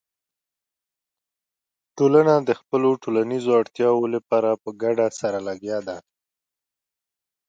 ټولنه د خپلو ټولنیزو اړتیاوو لپاره په ګډه سره لګیا ده.